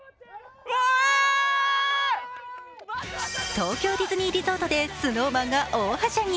東京ディズニーリゾートでＳｎｏｗＭａｎが大はしゃぎ。